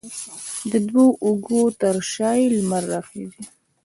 د دوو اوږو ترشا یې، لمر راخیژې